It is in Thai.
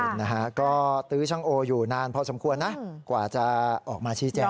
นะฮะก็ตื้อช่างโออยู่นานพอสมควรนะกว่าจะออกมาชี้แจง